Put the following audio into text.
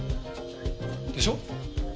でしょ？